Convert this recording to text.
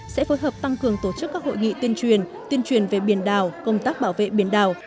sẽ phối hợp tăng cường tổ chức các hội nghị tuyên truyền tuyên truyền về biển đảo công tác bảo vệ biển đảo